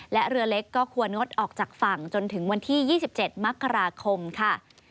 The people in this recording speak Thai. และเรือเล็กก็ควรงดออกจากฝั่งจนถึงวันที่๒๗มกราคมค่ะ